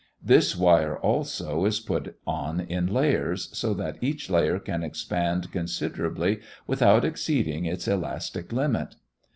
This wire, also, is put on in layers, so that each layer can expand considerably without exceeding its elastic limit.